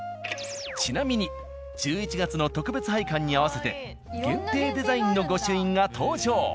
ちなみに１１月の特別拝観に合わせて限定デザインの御朱印が登場。